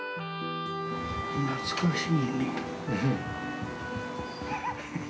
懐かしいねー。